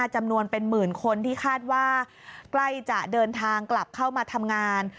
จำนวนเป็นหมื่นคนที่คาดว่าใกล้จะเดินทางกลับเข้ามาทำงาน